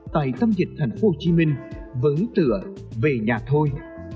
tại tâm dịch thành phố hồ chí minh vẫn tựa về nhà thôi